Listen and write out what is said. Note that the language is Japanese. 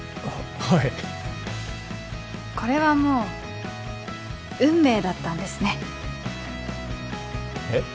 はいこれはもう運命だったんですねえっ？